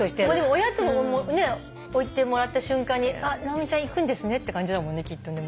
おやつ置いてもらった瞬間に「あっ直美ちゃん行くんですね」って感じだもんねきっとね。